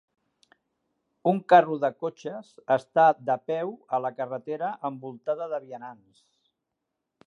Un carro de cotxes està de peu a la carretera envoltada de vianants